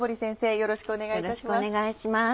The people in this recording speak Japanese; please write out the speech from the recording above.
よろしくお願いします。